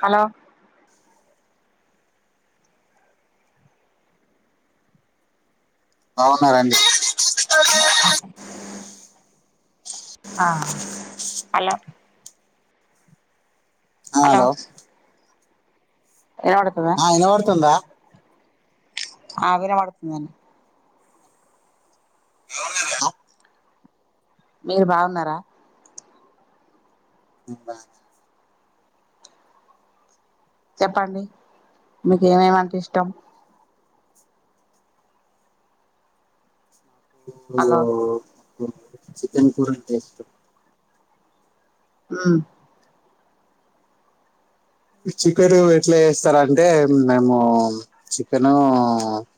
Hello బావున్నారండి ఆ hello hello hello ఆ ఇనవడుతుందా ఆ వినబడుతుందండి ఎలా ఉన్నారు మీరు బాగున్నారా నేను బానే ఉన్నా చెప్పండి మీకేమేమంటే ఇష్టం హలో నాకూ చికెన్ కూర అంటే ఇష్టం ఉమ్ చికెను ఎట్లా చేస్తారంటే మేము చికెను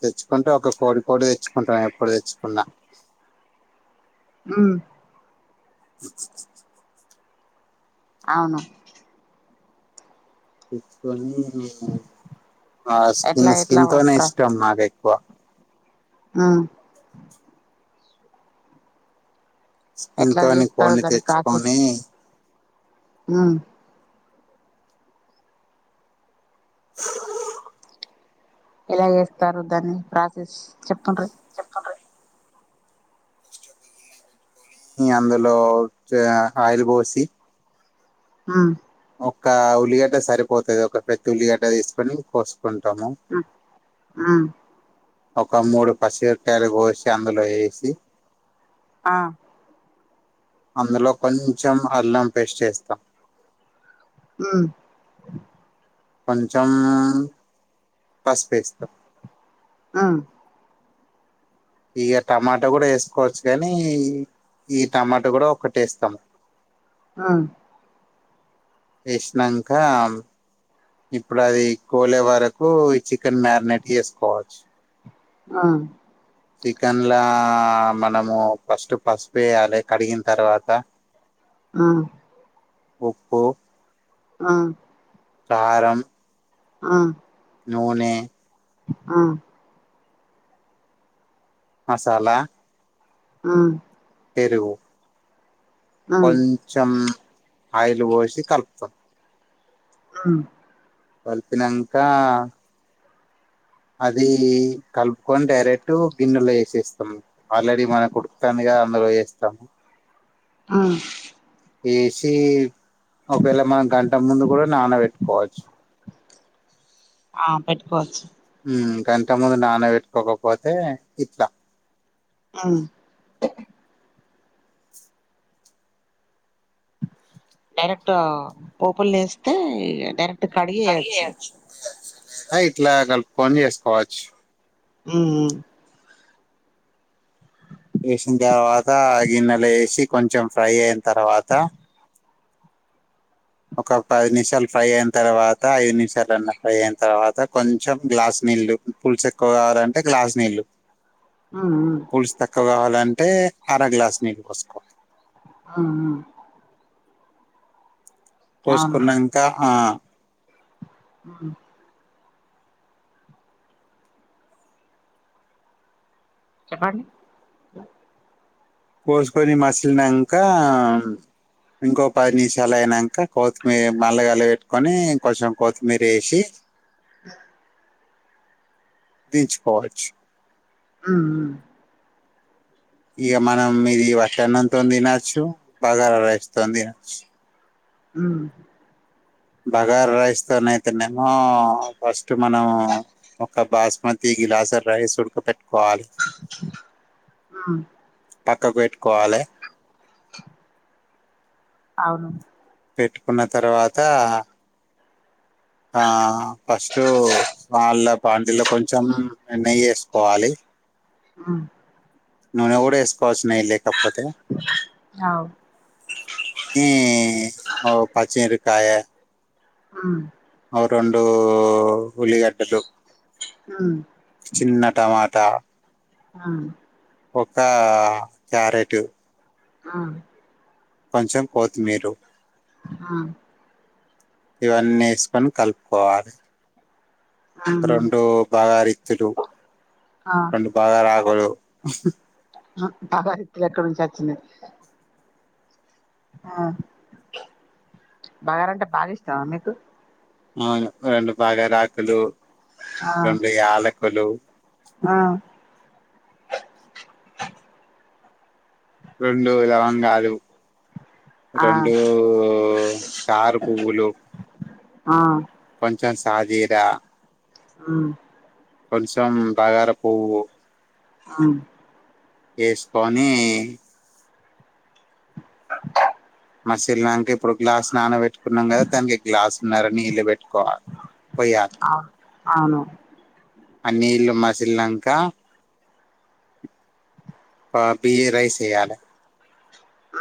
తెచ్ కుంటే ఒక కోడి కోడి తెచ్చుకుంటాం ఎప్పుడు తెచ్చుకున్నా ఉమ్ అవును తెచ్చుకొని ఆ ఎట్లా స్కిన్ ఎట్లా స్కిన్ తోనే ఇష్టం నాకు ఎక్కువ ఆ ఎట్లా స్కిన్తోని చేస్తారు కోన్ని తెచ్చుకొని మ్ ఎలా చేస్తారు దాన్ని ప్రాసెస్ చెప్పుండ్రి చెప్పుండ్రి ఈ అందులో చె ఆయిల్ పోసి ఉమ్ ఒక ఉల్లిగడ్డ సరిపోతది ఒక పెద్ద ఉల్లిగడ్డ తీసుకొని కోసుకుంటము ఉమ్ ఉమ్ ఒక మూడు పచ్చి మిరపకాయలు కోసి అందులో ఏసి ఆ అందులో కొంచెం అల్లం పేస్ట్ ఎస్తాం ఉమ్ కొంచెం పస్పేస్తాం ఉమ్ ఇగ టమాటా కూడా ఏసుకోవచ్చు గనీ ఈ టమాట కూడా ఒకటేస్తాము ఆ ఎష్ణంకం ఇప్పుడు అది కోలే వరకు ఈ చికెన్ మ్యాగ్నేట్ చేసుకోవచ్చు ఆ చికెన్లా మనము ఫస్ట్ పసుపేయాలి కడిగిన తర్వాత ఉ ఉప్పు ఆ కారం ఆ నూనె ఆ మసాలా ఉమ్ పెరుగు ఉమ్ కొంచం ఆయిలు బోసి కల్పుతాం హ్మ్ కల్పినంకా అది కలుపుకొని డైరెక్ట్ గిన్నెలు ఏసేస్తాం. ఆల్రెడీ మనక్ ఉడుకుతాంది గా అందులో వేస్తాం ఆ ఏసి ఒకవేల మనం గంట ముందు కూడా నానబెట్టుకోవచ్చు. ఆ పెట్టుకోవచ్చు హ్మ్ గంట ముందు నాన్న పెట్టుకోకపోతే ఇట్లా హు డైరెక్ట్ పోపుల్ ఎస్తే డైరెక్ట్ కడిగి ఏయచ్చు అలా ఇట్లా కలుపుకొని చేసుకోవచ్చు. హు ఉమ్ వేసిన తర్వాత ఆ గిన్నెల ఏసీ కొంచెం ఫ్రై అయిన తర్వాత ఒక పది నిమిషాలు ఫ్రై అయిన తర్వాత ఐదు నిమిషాలున ఫ్రై అయిన తర్వాత కొంచెం గ్లాస్ నీల్ నీలు పుల్సు ఎక్కువ కావాలంటే గ్లాస్ నీళ్లు ఉమ్ పులుసు తక్కువ గావాలంటే అర గ్లాసు నీళ్ళు పోసుకోవాలి. అ హ పోస్కునంక ఆ హ చెప్పండి పోస్కొని మసిల్నంకా ఇంకో పది నిమిషాలు అయినంక కొత్తిమీ మల్లగాల పెట్టుకొని కొంచెం కొత్తిమీర్ ఏసీ దించుకోవచ్చు ఊహు ఇగ మనం ఇది వట్టన్నంతో తినొచ్చు. బగారా రైస్తో తినొచ్చు. హ్మ్ బగారా రైస్ తోనైతేనేమో ఫస్ట్ మనం ఒక బాస్మతి గిలసాడ్ రైస్ ఉడకబెట్టుకోవాలి. ఉ పక్కబెట్టుకోవాలె అవును పెట్టుకున్న తర్వాతా ఆ ఫస్టు వాళ్ళ బాందిలో కొంచెం నెయ్యి ఏసుకోవాలె. ఉ నూనె కూడా ఏస్కోవచ్చు. నెయ్యి లేకపోతే అవు ఈ ఒ పచ్చిమిరకాయ ఉ ఒ రెండూ ఉల్లిగడ్డలు చిన్న టమాటా ఆ ఒకా క్యారెటు ఆ కొంచం కోత్మీరు. ఆ ఇవన్ ఏస్కొన్ కలుప్కోవాలి. రెండు బాగరిత్తులు రెండు బాగరాకులు అ బ బగరిత్ ఎక్కడి నుంచి ఒచ్చింది. ఆ బగార అంటే బాగ ఇష్టమ మీకు అవును రెండు బాగారాకులు ఆ రెండు యాలకులు ఆ రెండు లవంగాలు ఆ రెండు స్టార్ పువ్వులు ఆ కొంచం సాజీరా ఆ కొంచం బగార పువ్వు ఆ ఏస్కోనీ మసిల్నంక ఇప్పుడు గ్లాస్ నానబెట్టుకున్నం గద దానికి గ్లాస్న్నర నీళ్లు పెట్కోవా పొయ్యా అవును అవును. ఆ నీళ్లు మసిల్నంక ఆ బీరైస్ ఏయాలె. ఆ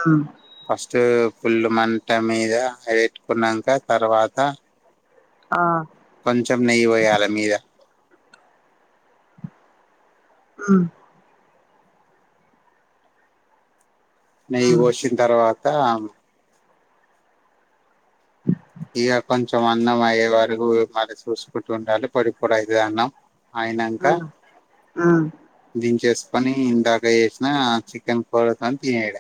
ఫస్ట్ ఫుల్లు మంట మీద అయి వెట్టుకున్నంక తర్వాత ఆ కొంచం నెయ్యి పొయ్యాలె మీద ఆ నెయ్యి ఉమ్ పోషిన్ తర్వాతా ఇగ కొంచం అన్నం అయ్యే వరకు మరి చూసుకుంట ఉండాలి పొడి పొడి అయితది అన్నం. అయినంక ఉమ్ ఉమ్ దించేస్కొని ఇందాక చేసిన చికెన్ పరోటని తినేయడ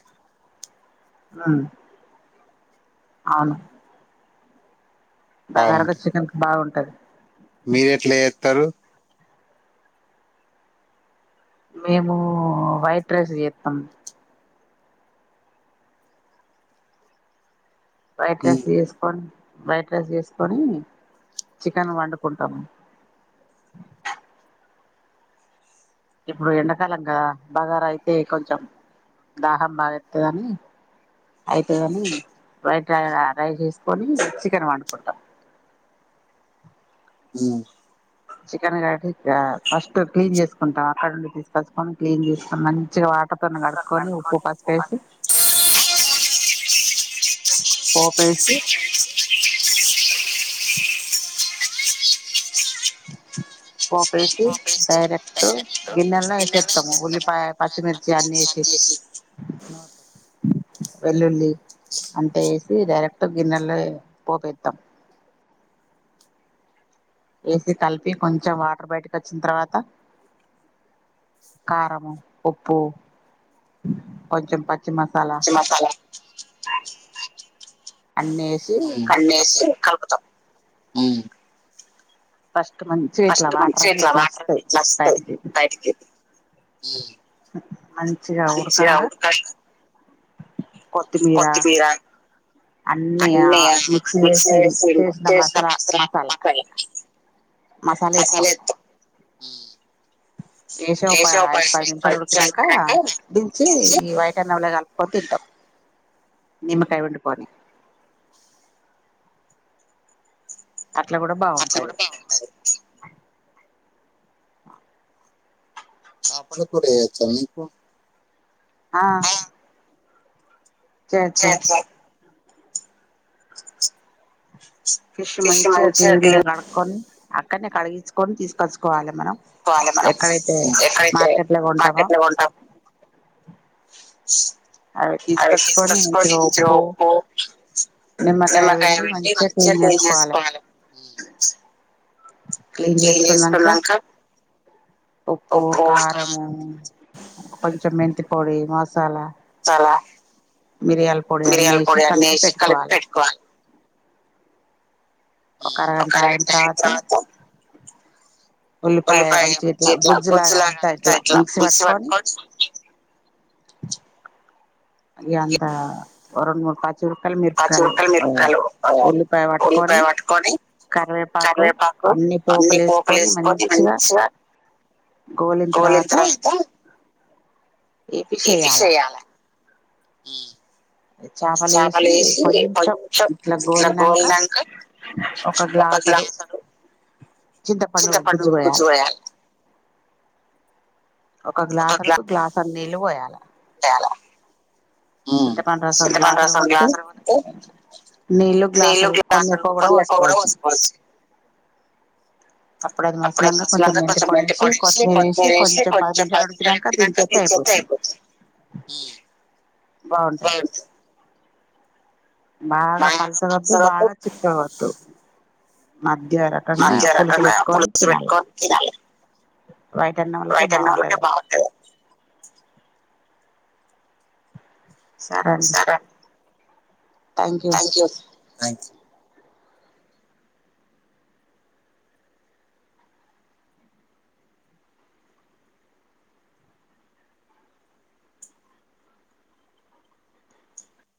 ఉమ్ అవును బగారకు చికెన్ బాగుంటది. మీరెట్ల ఏత్తరు? మేము వైట్ రైస్ ఏత్తం. వైట్ రైస్ ఏస్కోని వైట్ రైస్ చేస్కొని చికెన్ వండుకుంటం. [inaudible] ఇప్పుడు ఎండకాలంగా బగారైయితే కొంచం దాహం బాగేత్తదని అయితదని వైట్ ర రైస్ చేస్కొని చికెన్ వండుకుంటం. [inaudible] మ్ చికెన్ [unintelligible] ఆ ఫస్ట్ క్లీన్ చేస్కుంటం అక్కడ నుండి తిస్కచ్చుకొని క్లీన్ చేస్కునం మంచిగ వాటర్తోన్ కడుక్కొని ఉప్పు, పసుపేసి పోపేసి [inaudible] పోపేసి డైరెక్ట్ గిన్నెల్నె ఏసేత్తము ఉల్లిపాయ పచ్చిమిర్చి అన్ని ఏసి వెల్లుల్లి అంత ఏసి డైరెక్ట్ గిన్నెల్నె పోపేత్తం. ఏసి కల్పి కొంచం వాటర్ బయటిక్ అచ్చిన్ తర్వాత కారము, ఉప్పు కొంచెం ప పచ్చి మసాలా. అన్ని వేసి కలుపుతాం అన్నేసి కల్పుతం. ఫస్ట్ మంచిగా ఇట్లా ఫస్ట్ వాటర్ మంచిగ అన్ని ఇట్ల ఇట్లా వాటర్ వస్తాయి ఇట్ల అస్తయ్ బయటికి బయటికి. మంచిగ మంచిగా ఉడుకంగ. ఉడకంగా కొత్తిమీరా కొత్తిమీర అన్ని ఆ మిక్సీ లేసి చేసిన మస్ర మసాలా మసాలేత్తా. మసాలా ఎత్తు వేసే ఓ ప ఐదు పది నిమిషాలు ఉడికినంక దించి తీసి ఈ వైట్ అన్నంలో కలిపి. కొత్తిటాం నిమ్మకై పిండుకొని. అట్లా కూడా అట్లా బాగుంటది. కూడా బాగుంటుంది ఆ పని కూడా చేయొచ్చా మీకు. ఆహ్. చేయొచ్చు. చేస్తాం ఫిష్ మంచిగా క్లీన్ గా కడుకొని. కానీ కడిగించుకొని తీసుకొచ్చుకోవాలి మనం. చేసుకోవాలి మనం ఎక్కడైతే ఉమ్. ఎక్కడైతే మార్కెట్లో కొంటామో. మార్కెట్ లో కొంటాం అవి తీసుకొచ్చుకొని మంచిగా ఉప్పు. నిమ్మకాయ విండి మంచిగా క్లీన్ చేసుకోవాలి. క్లీన్ క్లిన్ చేసుకున్నాక చేసుకున్నంక. ఉప్పు కారము కొంచెం మెంతి పొడి మసాలా. మసాలా మిరియాల పొడి అన్ని మిరియాల వేసి పొడి అన్ని కలిపి వేసి కలిపి పెట్టుకోవాలి. ఒక ఎయిట్ టైమ్స్ తర్వాత. ఉల్లిపాయ మంచిగా ఇట్లా గుజ్జులాగా అంతా ఇట్లా మిక్సీ పట్టుకొని. ఇగ అంత ఓ రెండు మూడు. చురకాలు పచ్చి మిరపకాయలు ఉక్కలు మిరపకాయలు ఆ, ఉల్లిపాయ పట్టుకొని. ఉల్లిపాయ పట్టుకొని కరివేపాకు అన్ని పోపులు వేసుకొని మంచిగా. గోలిన తర్వాత. ఈ పిషేయాలా. ఉమ్. చేపలు వేసి కొంచెం ఇట్లా గోల్నాంకా. ఒక గ్లాసెడు. చింత పండు చింతపండు గుజ్జు పోయాలే. పోయాలి ఒక గ్లాస్ అడుకు గ్లాసెడు నీళ్ళు పోయాలి. వేయాలి చింత పండు రసం చింతపండు గ్లాసెడు రసం పొస్తే. గ్లాసులు కొట్టి నీళ్లు గ్లాసెడు కొన్ని ఎక్కువ కూడా పొసుకోవచ్చు. అప్పుడె మసాలాంగ కొంచెం పొడి మెంతి వేసి పోడేసి కొత్తిమీర వేసి కొత్తిమీరేసి కొంచెం పది కొంచం నిమిషాలు ఉడికినాక మాసలేట్టినంక దించేత్తే దించూ. అయిపోతది సరిపోతుంది. బాగుంటది. బాగా మా పల్సగోద్దు పనసరపు బాగా చిక్కగొద్దు. మధ్య రకంగా మధ్య పులుసు రకంగా పెట్టుకొని పులుసు తినాలి. పెట్టుకొని తినాలి వైట్ అన్నం లకే బయట ఉన్న బాగుంటది వాళ్ళకే అది. బాగుంటుంది సరే అండీ. Thank you bye.